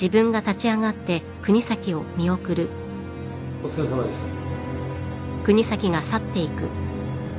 お疲れさまでした。